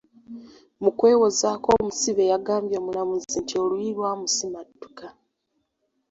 Mu kwewozaako omusibe yagambye omulamuzi nti oluyi lwamusimattuka.